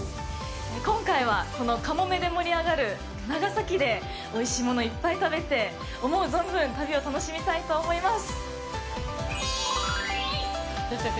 今回は、このかもめで盛り上がる長崎でおいしいものをいっぱい食べて思う存分、旅を楽しみたいと思います。